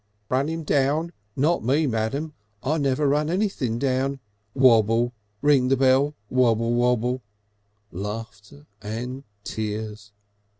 "Run 'im down! Not me, Madam. I never run anything down. Wabble. Ring the bell. Wabble, wabble " (Laughter and tears.)